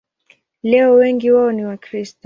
Leo wengi wao ni Wakristo.